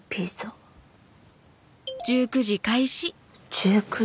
「１９時」。